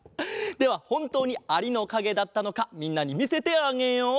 ではほんとうにアリのかげだったのかみんなにみせてあげよう。